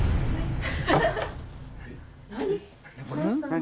何？